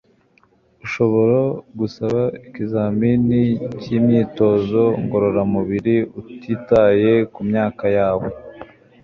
Urashobora gusaba ikizamini cyimyitozo ngororamubiri utitaye kumyaka yawe.